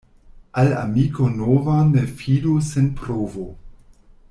Al amiko nova ne fidu sen provo.